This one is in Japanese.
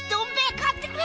買ってくれ